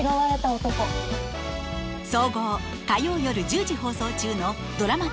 総合火曜夜１０時放送中のドラマ１０